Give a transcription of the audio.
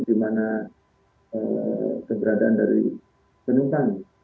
di mana keberadaan dari penumpang